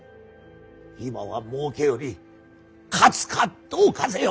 今はもうけより勝つかどうかぜよ。